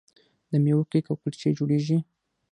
د میوو کیک او کلچې جوړیږي.